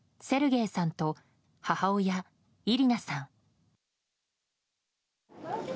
セルゲイさんと母親イリナさん。